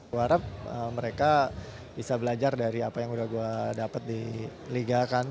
gue harap mereka bisa belajar dari apa yang udah gue dapet di liga kan